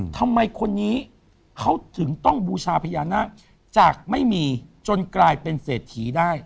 ทำไมคนนี้เขาถึงต้องบูชาพญานาคจากไม่มีจนกลายเป็นเศรษฐีได้